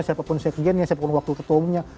siapapun siapapun waktu ketumnya